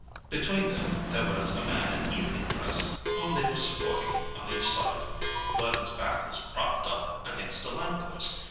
Between them there was a man in evening dress, whom they were supporting on each side, while his back was propped up against a lamp post.